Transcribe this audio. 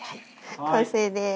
完成です。